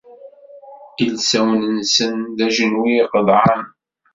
Ilsawen-nsen, d ajenwi iqeḍɛen.